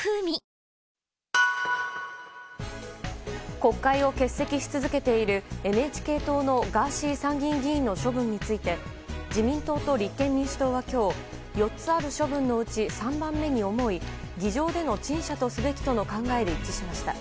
国会を欠席し続けているＮＨＫ党のガーシー参議院議員の処分について自民党と立憲民主党は今日４つある処分のうち３番目に重い議場での陳謝とすべきとの考えで一致しました。